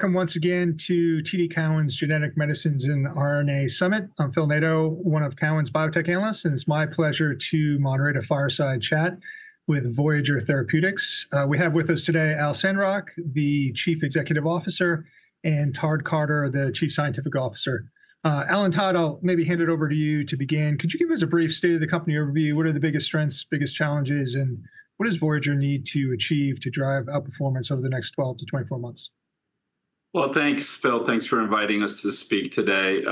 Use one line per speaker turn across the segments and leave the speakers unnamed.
Welcome once again to TD Cowen's Genetic Medicines and RNA Summit. I'm Phil Nadeau, one of Cowen's biotech analysts, and it's my pleasure to moderate a fireside chat with Voyager Therapeutics. We have with us today Al Sandrock, the Chief Executive Officer, and Todd Carter, the Chief Scientific Officer. Al and Todd, I'll maybe hand it over to you to begin. Could you give us a brief state of the company overview? What are the biggest strengths, biggest challenges, and what does Voyager need to achieve to drive outperformance over the next 12-24 months?
Well, thanks, Phil. Thanks for inviting us to speak today.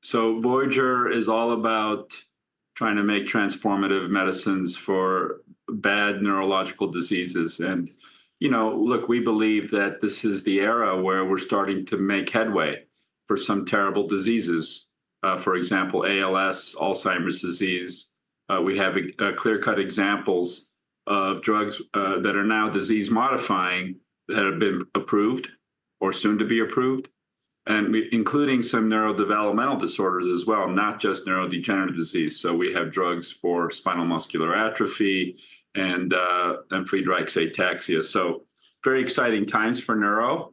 So Voyager is all about trying to make transformative medicines for bad neurological diseases, and, you know, look, we believe that this is the era where we're starting to make headway for some terrible diseases, for example, ALS, Alzheimer's disease. We have clear-cut examples of drugs that are now disease-modifying, that have been approved or soon to be approved, and including some neurodevelopmental disorders as well, not just neurodegenerative disease. So we have drugs for spinal muscular atrophy and Friedreich's ataxia, so very exciting times for neuro.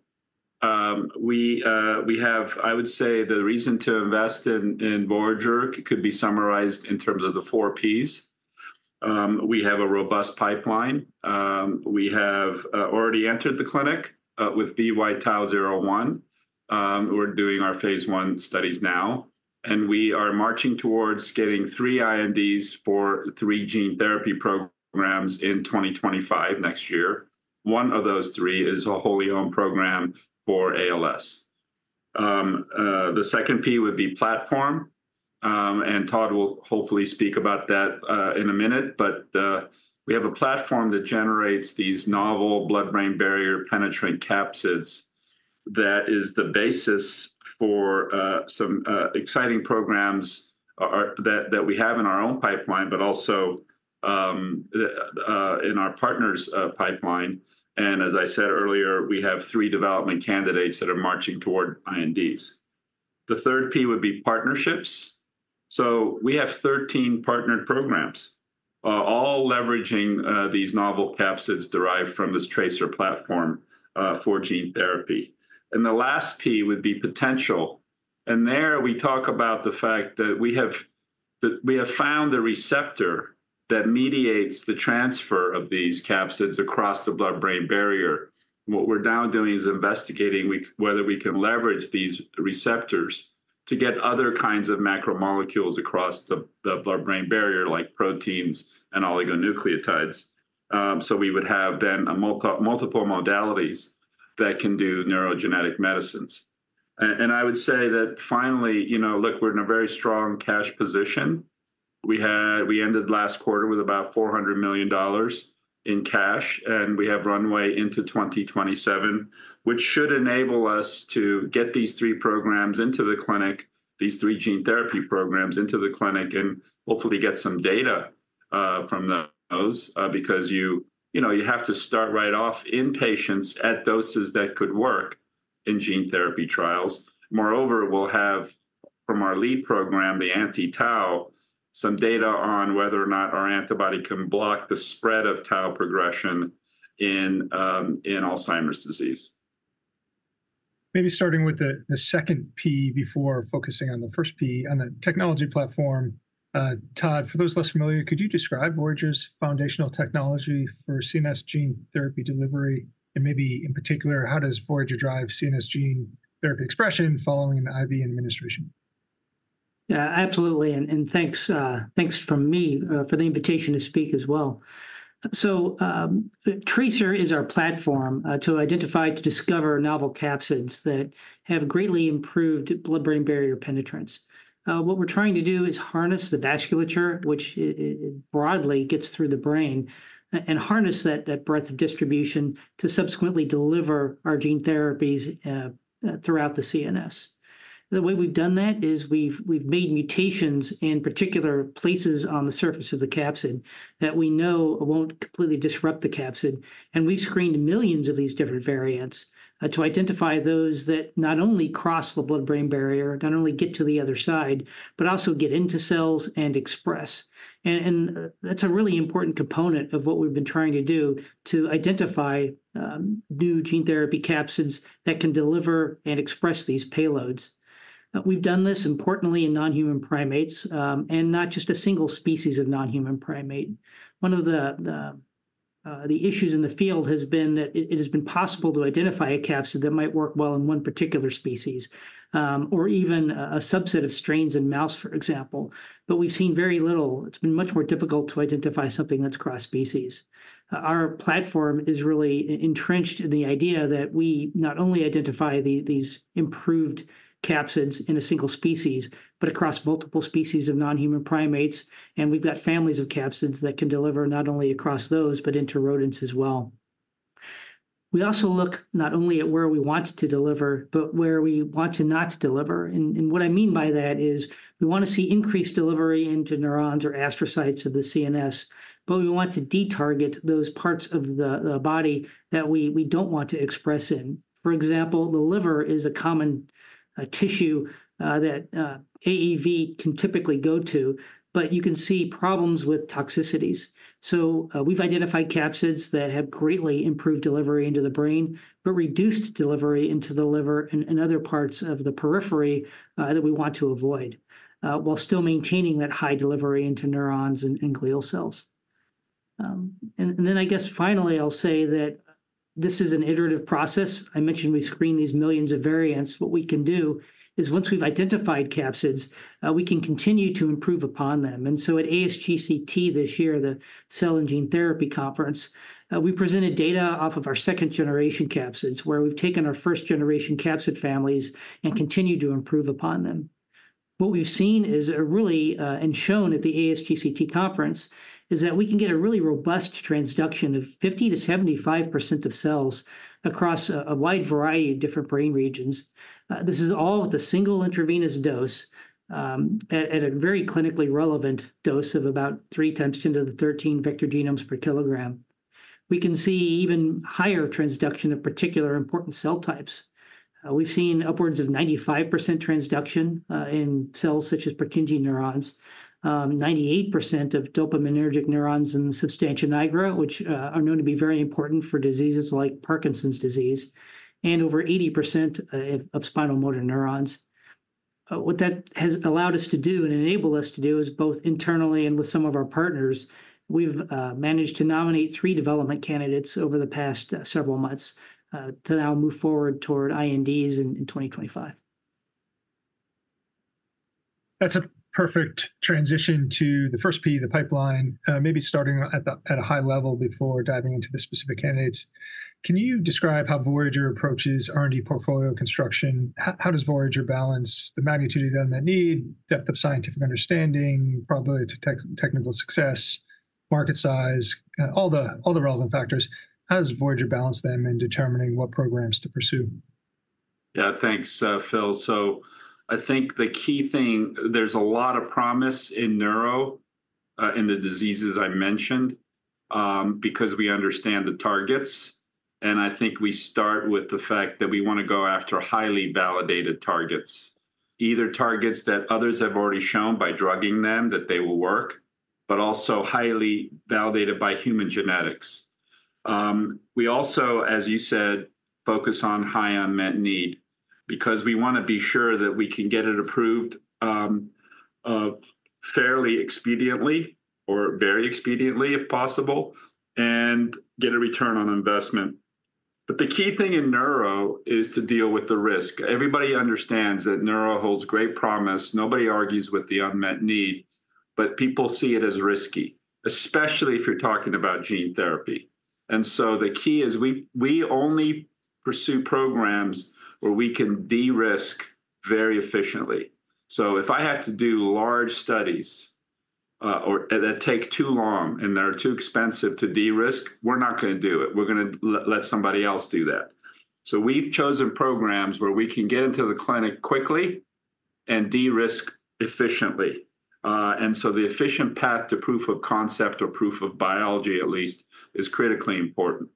We have... I would say the reason to invest in Voyager could be summarized in terms of the four Ps. We have a robust pipeline. We have already entered the clinic with VY-TAU01. We're doing our phase I studies now, and we are marching towards getting three INDs for three gene therapy programs in 2025, next year. One of those three is a wholly owned program for ALS. The second P would be platform, and Todd will hopefully speak about that in a minute, but we have a platform that generates these novel blood-brain barrier-penetrant capsids that is the basis for some exciting programs that we have in our own pipeline, but also in our partner's pipeline. And as I said earlier, we have three development candidates that are marching toward INDs. The third P would be partnerships, so we have 13 partnered programs, all leveraging these novel capsids derived from this TRACER platform for gene therapy. And the last P would be potential, and there we talk about the fact that we have, that we have found the receptor that mediates the transfer of these capsids across the blood-brain barrier. What we're now doing is investigating whether we can leverage these receptors to get other kinds of macromolecules across the blood-brain barrier, like proteins and oligonucleotides. So we would have then multiple modalities that can do neurogenetic medicines. And I would say that finally, you know, look, we're in a very strong cash position. We ended last quarter with about $400 million in cash, and we have runway into 2027, which should enable us to get these three programs into the clinic, these three gene therapy programs into the clinic, and hopefully get some data from those, because you know, you have to start right off in patients at doses that could work in gene therapy trials. Moreover, we'll have, from our lead program, the anti-tau, some data on whether or not our antibody can block the spread of tau progression in Alzheimer's disease.
Maybe starting with the second P before focusing on the first P, on the technology platform, Todd, for those less familiar, could you describe Voyager's foundational technology for CNS gene therapy delivery, and maybe in particular, how does Voyager drive CNS gene therapy expression following an IV administration?
Absolutely, and thanks from me for the invitation to speak as well. So, TRACER is our platform to identify, to discover novel capsids that have greatly improved blood-brain barrier penetrance. What we're trying to do is harness the vasculature, which it broadly gets through the brain, and harness that breadth of distribution to subsequently deliver our gene therapies throughout the CNS. The way we've done that is we've made mutations in particular places on the surface of the capsid that we know won't completely disrupt the capsid, and we've screened millions of these different variants to identify those that not only cross the blood-brain barrier, not only get to the other side, but also get into cells and express. That's a really important component of what we've been trying to do to identify new gene-therapy-capsids that can deliver and express these payloads. We've done this importantly in non-human primates, and not just a single species of non-human primate. One of the issues in the field has been that it has been possible to identify a capsid that might work well in one particular species, or even a subset of strains in mouse, for example, but we've seen very little. It's been much more difficult to identify something that's cross-species. Our platform is really entrenched in the idea that we not only identify these improved capsids in a single species, but across multiple species of non-human primates, and we've got families of capsids that can deliver not only across those, but into rodents as well. We also look not only at where we want to deliver, but where we want to not deliver, and what I mean by that is, we wanna see increased delivery into neurons or astrocytes of the CNS, but we want to de-target those parts of the body that we don't want to express in. For example, the liver is a common tissue that AAV can typically go to, but you can see problems with toxicities. So, we've identified capsids that have greatly improved delivery into the brain, but reduced delivery into the liver and other parts of the periphery that we want to avoid, while still maintaining that high delivery into neurons and glial cells.... And then I guess finally, I'll say that this is an iterative process. I mentioned we screen these millions of variants. What we can do is, once we've identified capsids, we can continue to improve upon them. And so at ASGCT this year, the Cell and Gene Therapy Conference, we presented data off of our second generation capsids, where we've taken our first generation capsid families and continued to improve upon them. What we've seen is a really, Shown at the ASGCT conference, is that we can get a really robust transduction of 50%-75% of cells across a wide variety of different brain regions. This is all with a single intravenous dose, at a very clinically relevant dose of about 3 × 10^13 vector genomes per kilogram. We can see even higher transduction of particular important cell types. We've seen upwards of 95% transduction, in cells such as Purkinje neurons, 98% of dopaminergic neurons in the substantia nigra, which are known to be very important for diseases like Parkinson's disease, and over 80% of spinal motor neurons. What that has allowed us to do, and enabled us to do, is both internally and with some of our partners, we've managed to nominate three development candidates over the past several months to now move forward toward INDs in 2025.
That's a perfect transition to the first P, the pipeline. Maybe starting at a high level before diving into the specific candidates, can you describe how Voyager approaches R&D portfolio construction? How does Voyager balance the magnitude of unmet need, depth of scientific understanding, probability of technical success, market size, all the relevant factors? How does Voyager balance them in determining what programs to pursue?
Yeah, thanks, Phil. So I think the key thing, there's a lot of promise in neuro, in the diseases I mentioned, because we understand the targets, and I think we start with the fact that we want to go after highly validated targets, either targets that others have already shown by drugging them, that they will work, but also highly validated by human genetics. We also, as you said, focus on high unmet need, because we wanna be sure that we can get it approved, fairly expediently, or very expediently, if possible, and get a return on investment. But the key thing in neuro is to deal with the risk. Everybody understands that neuro holds great promise. Nobody argues with the unmet need, but people see it as risky, especially if you're talking about gene therapy. The key is, we only pursue programs where we can de-risk very efficiently. So if I have to do large studies, or that take too long, and they are too expensive to de-risk, we're not gonna do it. We're gonna let somebody else do that. So we've chosen programs where we can get into the clinic quickly and de-risk efficiently. And so the efficient path to proof of concept or proof of biology, at least, is critically important.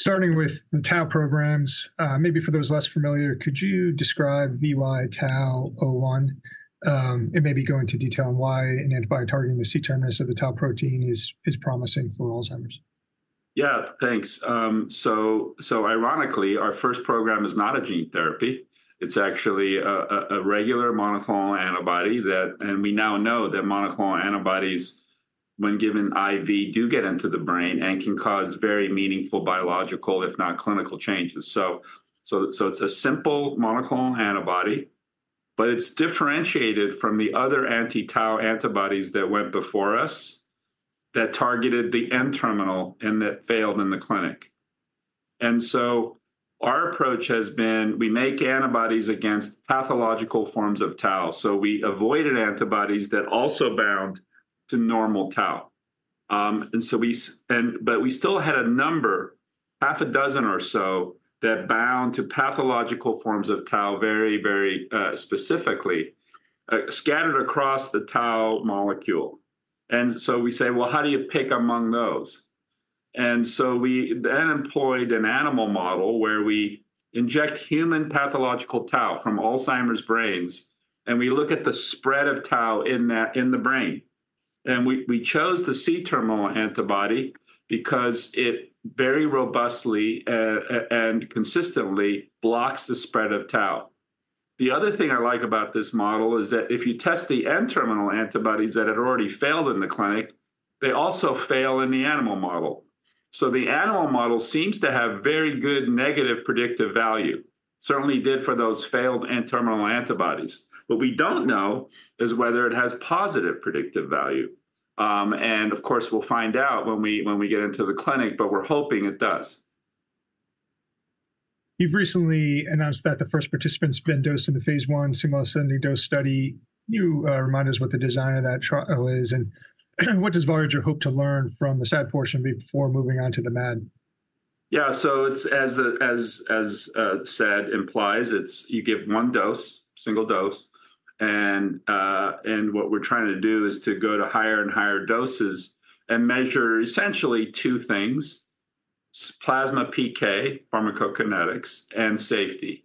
Starting with the tau programs, maybe for those less familiar, could you describe VY-TAU01, and maybe go into detail on why an antibody targeting the C-terminus of the tau protein is promising for Alzheimer's?
Yeah, thanks. So ironically, our first program is not a gene therapy. It's actually a regular monoclonal antibody that... We now know that monoclonal antibodies, when given IV, do get into the brain and can cause very meaningful biological, if not clinical, changes. So it's a simple monoclonal antibody, but it's differentiated from the other anti-tau antibodies that went before us, that targeted the N-terminal, and that failed in the clinic. Our approach has been, we make antibodies against pathological forms of tau, so we avoided antibodies that also bound to normal tau. But we still had a number, half a dozen or so, that bound to pathological forms of tau very, very specifically, scattered across the tau molecule. And so we say, "Well, how do you pick among those?" And so we then employed an animal model, where we inject human pathological tau from Alzheimer's brains, and we look at the spread of tau in that, in the brain. And we chose the C-terminal antibody because it very robustly and consistently blocks the spread of tau. The other thing I like about this model is that if you test the N-terminal antibodies that had already failed in the clinic, they also fail in the animal model. So the animal model seems to have very good negative predictive value, certainly did for those failed N-terminal antibodies. What we don't know is whether it has positive predictive value, and of course, we'll find out when we get into the clinic, but we're hoping it does.
You've recently announced that the first participant's been dosed in the phase I single ascending dose study. Can you remind us what the design of that trial is, and what does Voyager hope to learn from the SAD portion before moving on to the MAD?
Yeah, so it's, as the SAD implies, it's you give one dose, single dose, and what we're trying to do is to go to higher and higher doses and measure essentially two things: plasma PK, pharmacokinetics, and safety.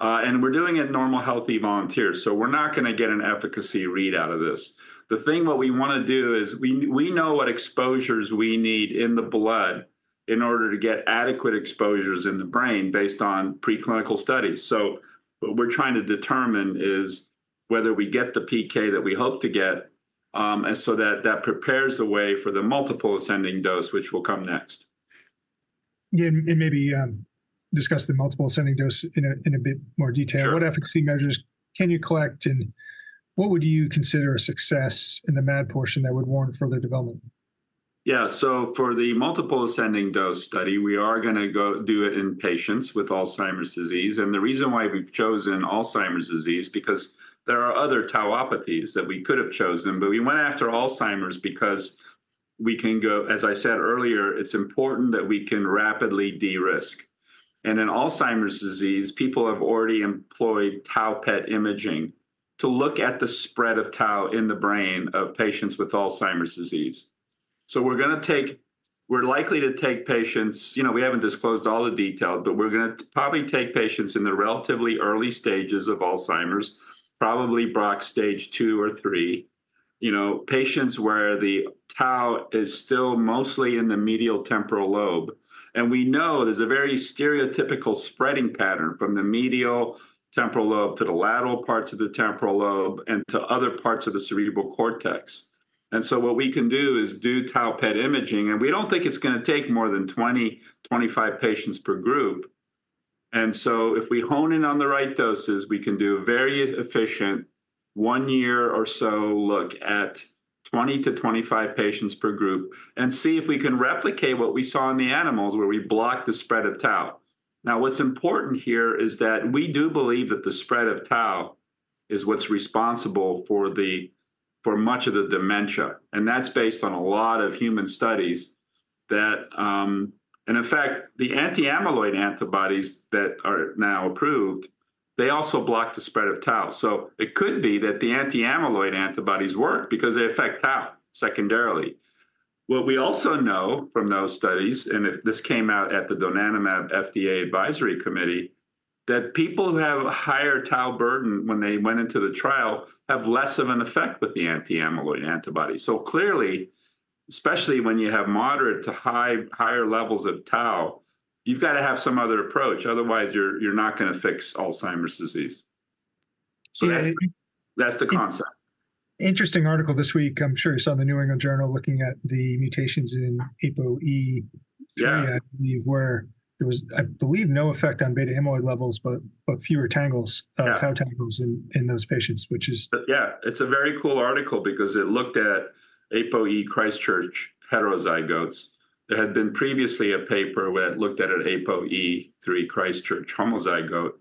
And we're doing it in normal, healthy volunteers, so we're not gonna get an efficacy read out of this. The thing what we wanna do is we know what exposures we need in the blood in order to get adequate exposures in the brain based on preclinical studies. So what we're trying to determine is whether we get the PK that we hope to get, and so that prepares the way for the multiple ascending dose, which will come next.
Yeah, and maybe discuss the multiple ascending dose in a bit more detail.
Sure.
What efficacy measures can you collect, and what would you consider a success in the MAD portion that would warrant further development?
Yeah, so for the multiple ascending dose study, we are gonna go do it in patients with Alzheimer's disease, and the reason why we've chosen Alzheimer's disease, because there are other tauopathies that we could have chosen, but we went after Alzheimer's because we can go, as I said earlier, it's important that we can rapidly de-risk. And in Alzheimer's disease, people have already employed tau PET imaging to look at the spread of tau in the brain of patients with Alzheimer's disease. So we're gonna take... We're likely to take patients, you know, we haven't disclosed all the details, but we're gonna probably take patients in the relatively early stages of Alzheimer's, probably Braak stage II or III, you know, patients where the tau is still mostly in the medial temporal lobe. We know there's a very stereotypical spreading pattern from the medial temporal lobe to the lateral parts of the temporal lobe and to other parts of the cerebral cortex. So what we can do is do tau PET imaging, and we don't think it's gonna take more than 20-25 patients per group. So if we hone in on the right doses, we can do a very efficient 1-year or so look at 20-25 patients per group and see if we can replicate what we saw in the animals where we blocked the spread of tau. Now, what's important here is that we do believe that the spread of tau is what's responsible for the, for much of the dementia, and that's based on a lot of human studies that... And in fact, the anti-amyloid antibodies that are now approved, they also block the spread of tau. So it could be that the anti-amyloid antibodies work because they affect tau secondarily. What we also know from those studies, and if this came out at the donanemab FDA Advisory Committee, that people who have a higher tau burden when they went into the trial have less of an effect with the anti-amyloid antibody. So clearly, especially when you have moderate to high, higher levels of tau, you've gotta have some other approach, otherwise you're not gonna fix Alzheimer's disease.
Yeah, I think-
That's, that's the concept.
Interesting article this week, I'm sure you saw in the New England Journal, looking at the mutations in APOE-
Yeah...
where there was, I believe, no effect on beta-amyloid levels, but fewer tangles-
Yeah...
tau tangles in those patients, which is-
Yeah, it's a very cool article because it looked at APOE Christchurch heterozygotes. There had been previously a paper where it looked at an APOE3 Christchurch homozygote,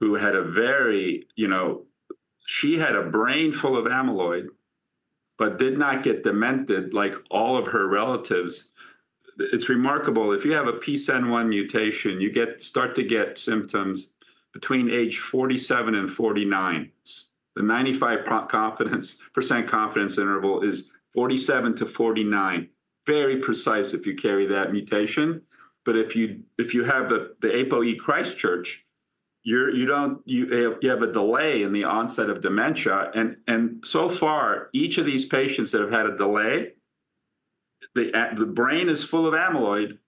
who had a very, you know... She had a brain full of amyloid but did not get demented like all of her relatives. It's remarkable, if you have a PSEN1 mutation, you get, start to get symptoms between age 47 and 49. The 95% confidence interval is 47-49. Very precise if you carry that mutation, but if you, if you have the, the APOE Christchurch, you're, you don't... You, you have a delay in the onset of dementia. And so far, each of these patients that have had a delay, the brain is full of amyloid,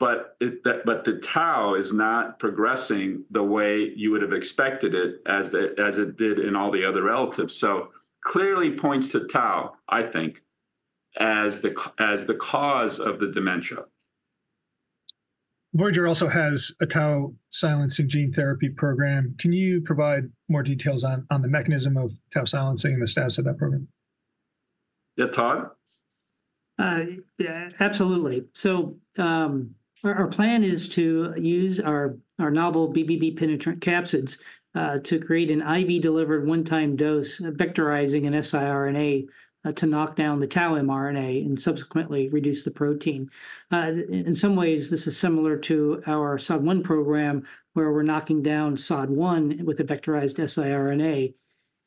but the tau is not progressing the way you would have expected it, as it did in all the other relatives. So clearly points to tau, I think, as the cause of the dementia.
Voyager also has a tau silencing gene therapy program. Can you provide more details on the mechanism of tau silencing and the status of that program?
Yeah, Todd?
Yeah, absolutely. So, our plan is to use our novel BBB-penetrant capsids to create an IV-delivered one-time dose, vectorizing an siRNA to knock down the tau mRNA, and subsequently reduce the protein. In some ways, this is similar to our SOD1 program, where we're knocking down SOD1 with a vectorized siRNA.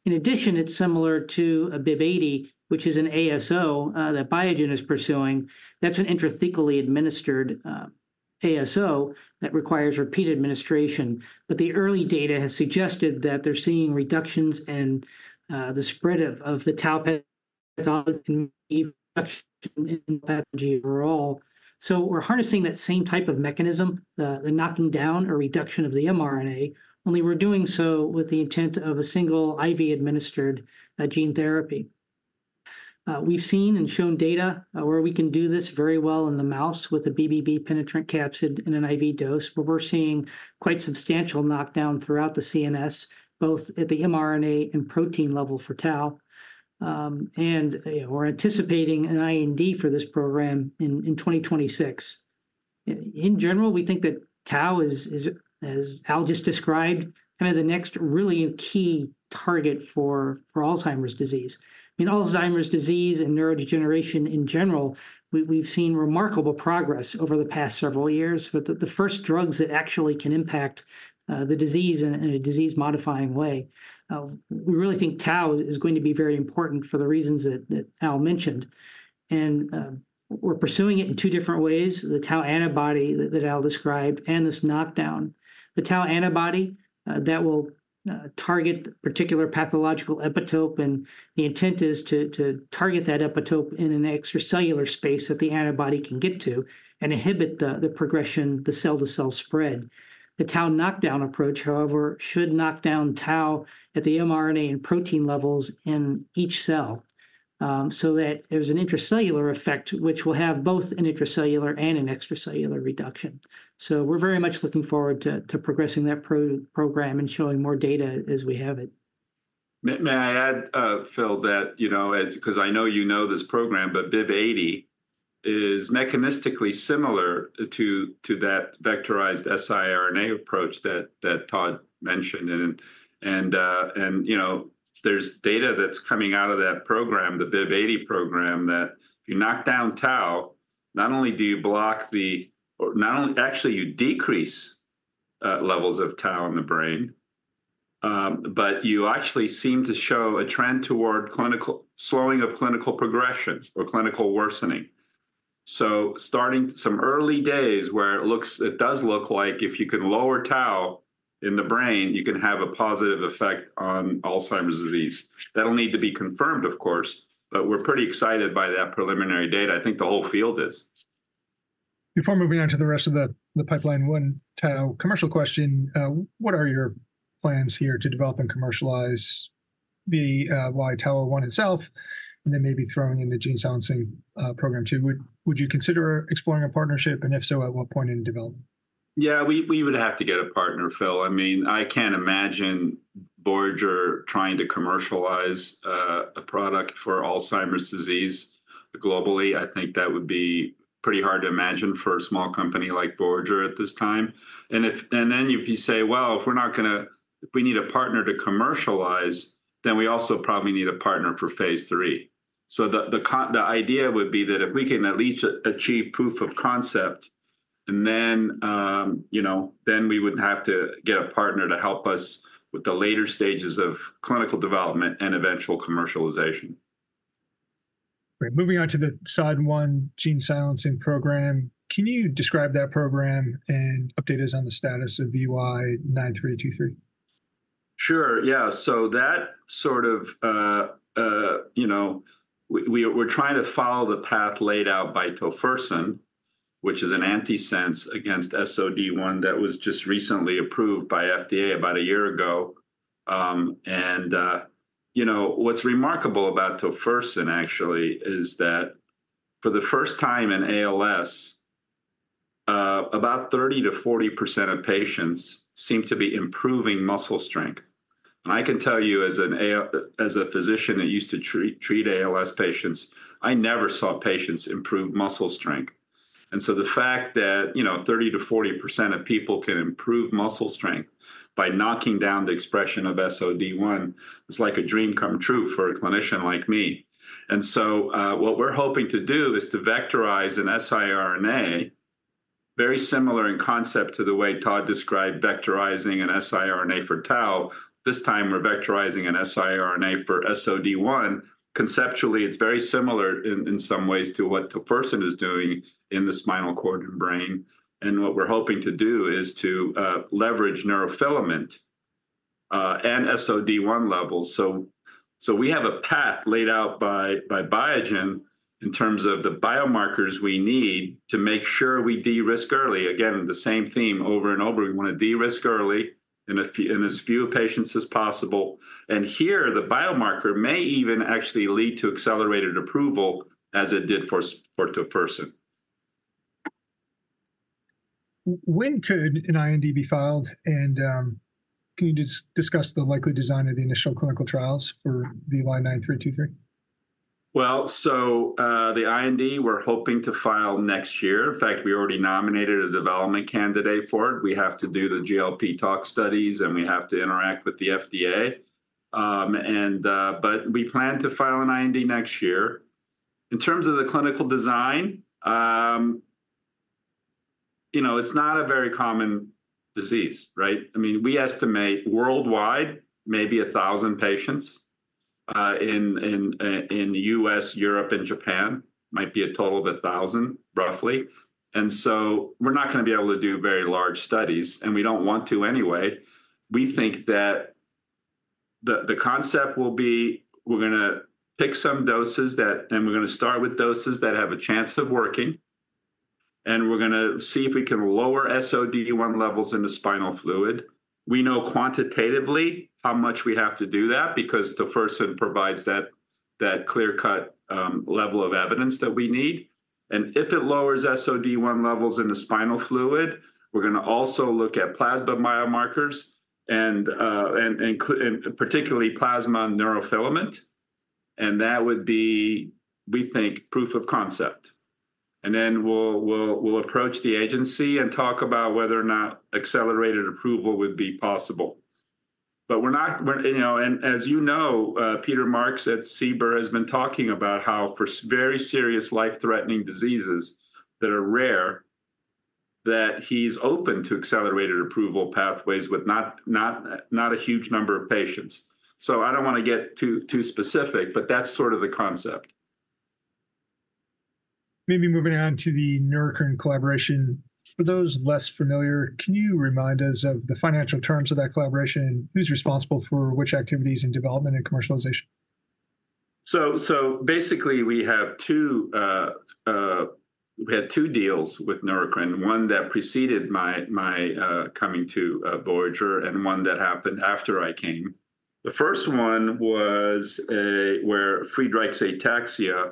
In addition, it's similar to a BIIB080, which is an ASO that Biogen is pursuing. That's an intrathecally administered ASO that requires repeat administration. But the early data has suggested that they're seeing reductions in the spread of the tau pathological reduction in pathology overall. So we're harnessing that same type of mechanism, the knocking down or reduction of the mRNA, only we're doing so with the intent of a single IV-administered gene therapy. We've seen and shown data, where we can do this very well in the mouse with a BBB-penetrant capsid in an IV dose, where we're seeing quite substantial knockdown throughout the CNS, both at the mRNA and protein level for tau. We're anticipating an IND for this program in 2026. In general, we think that tau is as Al just described, kind of the next really key target for Alzheimer's disease. In Alzheimer's disease and neurodegeneration in general, we've seen remarkable progress over the past several years, with the first drugs that actually can impact the disease in a disease-modifying way. We really think tau is going to be very important for the reasons that Al mentioned. We're pursuing it in two different ways, the tau antibody that Al described, and this knockdown. The tau antibody that will target particular pathological epitope, and the intent is to target that epitope in an extracellular space that the antibody can get to and inhibit the progression, the cell-to-cell spread. The tau knockdown approach, however, should knock down tau at the mRNA and protein levels in each cell, so that there's an intracellular effect, which will have both an intracellular and an extracellular reduction. We're very much looking forward to progressing that program and showing more data as we have it.
May I add, Phil, that you know, as 'cause I know you know this program, but BIIB080 is mechanistically similar to that vectorized siRNA approach that Todd mentioned. And you know, there's data that's coming out of that program, the BIIB080 program, that if you knock down tau, actually, you decrease levels of tau in the brain, but you actually seem to show a trend toward clinical slowing of clinical progression or clinical worsening. So it's some early days, where it looks like if you can lower tau in the brain, you can have a positive effect on Alzheimer's disease. That'll need to be confirmed, of course, but we're pretty excited by that preliminary data. I think the whole field is.
Before moving on to the rest of the pipeline onto tau commercial question, what are your plans here to develop and commercialize the VY-TAU01 itself, and then maybe throwing in the gene silencing program too? Would you consider exploring a partnership, and if so, at what point in development?
Yeah, we would have to get a partner, Phil. I mean, I can't imagine Voyager trying to commercialize a product for Alzheimer's disease globally. I think that would be pretty hard to imagine for a small company like Voyager at this time. And if, and then if you say, "Well, if we're not gonna- if we need a partner to commercialize, then we also probably need a partner for phase III." So the idea would be that if we can at least achieve proof of concept, and then, you know, then we would have to get a partner to help us with the later stages of clinical development and eventual commercialization.
Right, moving on to the SOD1 gene silencing program, can you describe that program and update us on the status of VY-9323?
Sure, yeah. So that sort of, you know... We're trying to follow the path laid out by tofersen, which is an antisense against SOD1 that was just recently approved by FDA about a year ago. And, you know, what's remarkable about tofersen, actually, is that for the first time in ALS, about 30%-40% of patients seem to be improving muscle strength. And I can tell you, as a physician that used to treat ALS patients, I never saw patients improve muscle strength. And so the fact that, you know, 30%-40% of people can improve muscle strength by knocking down the expression of SOD1, is like a dream come true for a clinician like me. And so, what we're hoping to do is to vectorize an siRNA, very similar in concept to the way Todd described vectorizing an siRNA for tau. This time, we're vectorizing an siRNA for SOD1. Conceptually, it's very similar in some ways to what tofersen is doing in the spinal cord and brain. And what we're hoping to do is to leverage neurofilament and SOD1 levels. So we have a path laid out by Biogen in terms of the biomarkers we need to make sure we de-risk early. Again, the same theme over and over, we wanna de-risk early in as few patients as possible. And here, the biomarker may even actually lead to accelerated approval, as it did for tofersen.
When could an IND be filed, and can you discuss the likely design of the initial clinical trials for VY-9323?
Well, so, the IND, we're hoping to file next year. In fact, we already nominated a development candidate for it. We have to do the GLP tox studies, and we have to interact with the FDA. But we plan to file an IND next year. In terms of the clinical design, you know, it's not a very common disease, right? I mean, we estimate worldwide, maybe 1,000 patients, in the US, Europe, and Japan. Might be a total of 1,000, roughly. And so we're not gonna be able to do very large studies, and we don't want to anyway. We think that the concept will be, we're gonna pick some doses that... and we're gonna start with doses that have a chance of working, and we're gonna see if we can lower SOD1 levels in the spinal fluid. We know quantitatively how much we have to do that because the first one provides that clear-cut level of evidence that we need. And if it lowers SOD1 levels in the spinal fluid, we're gonna also look at plasma biomarkers and particularly plasma neurofilament, and that would be, we think, proof of concept. And then we'll approach the agency and talk about whether or not accelerated approval would be possible. But we're not, we're... and you know, and as you know, Peter Marks at CBER has been talking about how for very serious life-threatening diseases that are rare, that he's open to accelerated approval pathways with not, not, not a huge number of patients. So I don't wanna get too specific, but that's sort of the concept.
Maybe moving on to the Neurocrine collaboration. For those less familiar, can you remind us of the financial terms of that collaboration? Who's responsible for which activities in development and commercialization?
So basically, we had two deals with Neurocrine, one that preceded my coming to Voyager, and one that happened after I came. The first one was where Friedreich's ataxia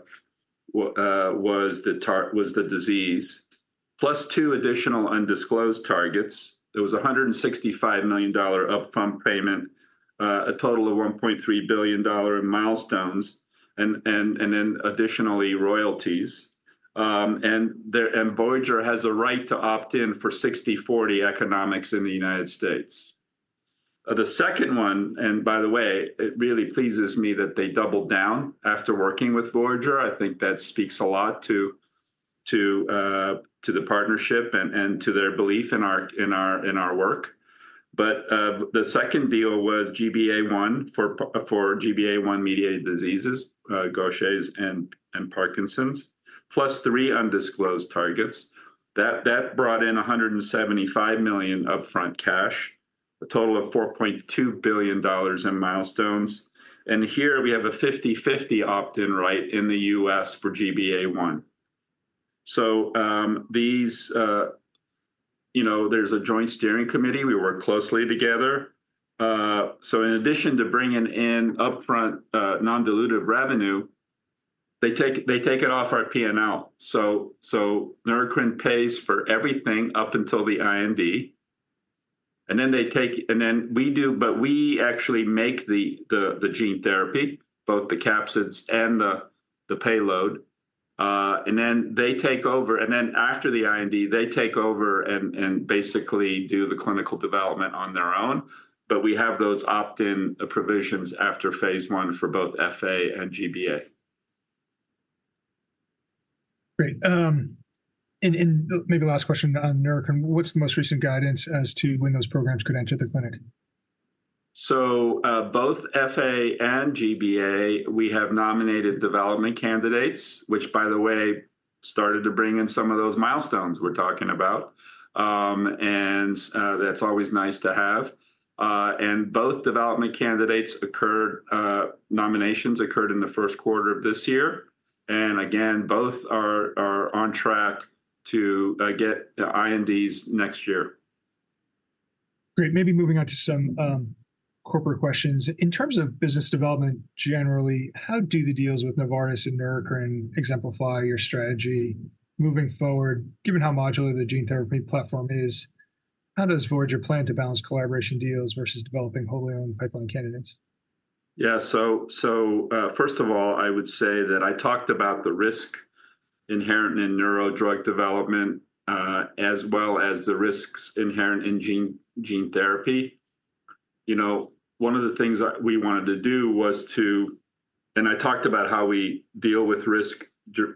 was the target disease.... plus two additional undisclosed targets. There was a $165 million upfront payment, a total of $1.3 billion in milestones, and then additionally, royalties. And Voyager has a right to opt-in for 60/40 economics in the United States. The second one, and by the way, it really pleases me that they doubled down after working with Voyager. I think that speaks a lot to the partnership and to their belief in our work. But the second deal was GBA1, for GBA1 mediated diseases, Gaucher's and Parkinson's, plus three undisclosed targets. That brought in $175 million upfront cash, a total of $4.2 billion in milestones, and here we have a 50/50 opt-in right in the U.S. for GBA1. So these, you know, there's a joint steering committee, we work closely together. So in addition to bringing in upfront non-dilutive revenue, they take it off our PNL. So Neurocrine pays for everything up until the IND, and then they take... And then we do, but we actually make the gene therapy, both the capsids and the payload. And then they take over, and then after the IND, they take over and basically do the clinical development on their own, but we have those opt-in provisions after phase I for both FA and GBA.
Great. And maybe last question on Neurocrine. What's the most recent guidance as to when those programs could enter the clinic?
So, both FA and GBA, we have nominated development candidates, which, by the way, started to bring in some of those milestones we're talking about. And, that's always nice to have. And both development candidates occurred, nominations occurred in the first quarter of this year, and again, both are, are on track to, get the INDs next year.
Great. Maybe moving on to some, corporate questions. In terms of business development generally, how do the deals with Novartis and Neurocrine exemplify your strategy moving forward, given how modular the gene therapy platform is, how does Voyager plan to balance collaboration deals versus developing wholly owned pipeline candidates?
Yeah, so first of all, I would say that I talked about the risk inherent in neuro drug development, as well as the risks inherent in gene therapy. You know, one of the things we wanted to do was to. And I talked about how we deal with risk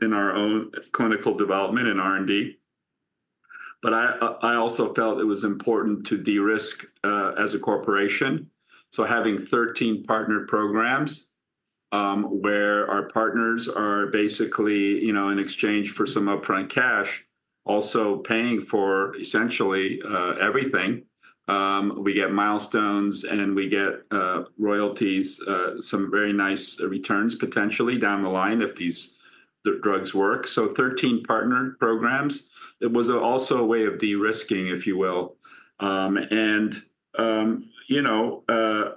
in our own clinical development in R&D, but I also felt it was important to de-risk, as a corporation. So having 13 partner programs, where our partners are basically, you know, in exchange for some upfront cash, also paying for essentially, everything. We get milestones, and we get royalties, some very nice returns, potentially down the line, if these drugs work. So 13 partner programs. It was also a way of de-risking, if you will. You know,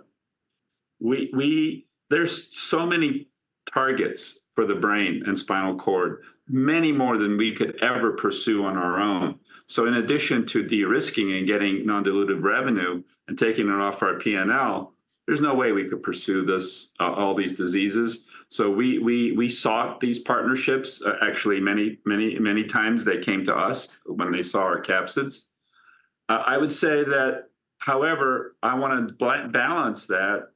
there's so many targets for the brain and spinal cord, many more than we could ever pursue on our own. So in addition to de-risking and getting non-dilutive revenue and taking it off our P&L, there's no way we could pursue this, all these diseases. So we sought these partnerships. Actually, many, many, many times they came to us when they saw our capsids. I would say that, however, I wanna balance that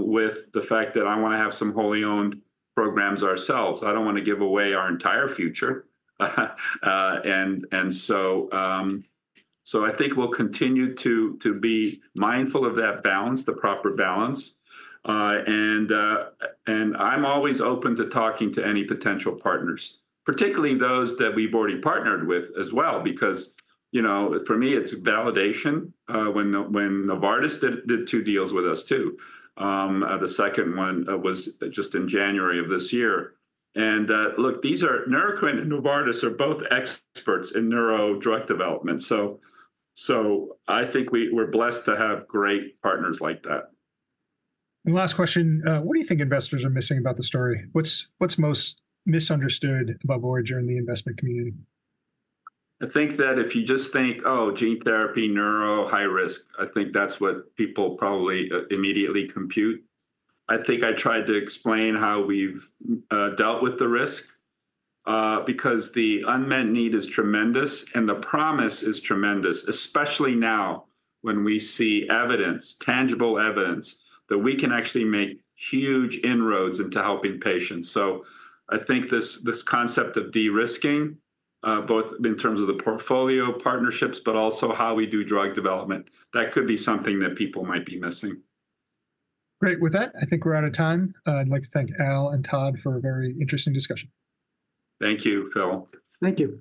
with the fact that I wanna have some wholly owned programs ourselves. I don't wanna give away our entire future. So I think we'll continue to be mindful of that balance, the proper balance. And I'm always open to talking to any potential partners, particularly those that we've already partnered with as well, because, you know, for me, it's validation, when when Novartis did two deals with us, too. The second one was just in January of this year. And look, these are... Neurocrine and Novartis are both experts in neuro drug development, so I think we're blessed to have great partners like that.
Last question, what do you think investors are missing about the story? What's most misunderstood about Voyager in the investment community?
I think that if you just think, "Oh, gene therapy, neuro, high risk," I think that's what people probably immediately compute. I think I tried to explain how we've dealt with the risk, because the unmet need is tremendous, and the promise is tremendous, especially now, when we see evidence, tangible evidence, that we can actually make huge inroads into helping patients. So I think this, this concept of de-risking, both in terms of the portfolio partnerships, but also how we do drug development, that could be something that people might be missing.
Great. With that, I think we're out of time. I'd like to thank Al and Todd for a very interesting discussion.
Thank you, Phil.
Thank you.